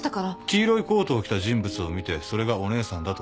黄色いコートを着た人物を見てそれがお姉さんだと思い込んだ。